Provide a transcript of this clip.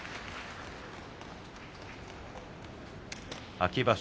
秋場所